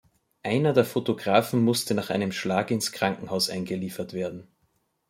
Einer der Fotografen musste nach einem Schlag ins Krankenhaus eingeliefert werden.